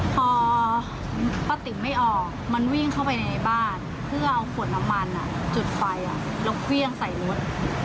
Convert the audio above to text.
พอป้าติ๋มไม่ออกมันวิ่งเข้าไปในบ้านเพื่อเอาขวดน้ำมันจุดไฟแล้วเครื่องใส่รถ